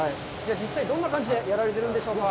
実際どんな感じでやられてるんでしょうか。